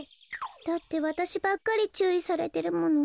だってわたしばっかりちゅういされてるもの。